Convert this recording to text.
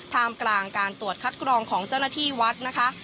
ท่ามกลางการตรวจคัดกรองของเจ้าหน้าที่วัดนะคะ